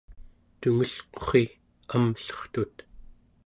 tungelqurri amllertut